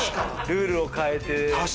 ルールを変えて。